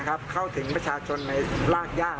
มีแรกบริก่อนเข้าถึงประชาชนไหนรากย่า